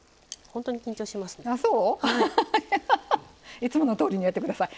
いつものとおりにやって下さい。